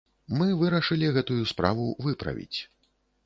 Мы вырашылі гэтую справу выправіць!